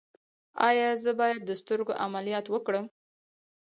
ایا زه باید د سترګو عملیات وکړم؟